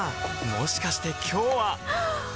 もしかして今日ははっ！